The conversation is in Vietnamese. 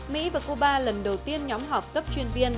mỹ và cuba lần đầu tiên nhóm họp cấp chuyên viên